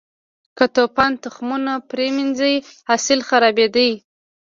که توپان تخمونه پرې منځي، حاصل خرابېده.